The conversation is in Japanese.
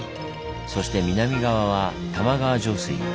そして南側は玉川上水。